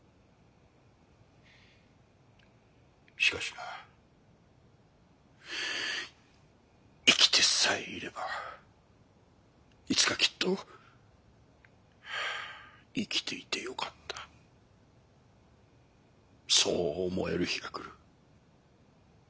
しかしな生きてさえいればいつかきっと生きていてよかったそう思える日が来る。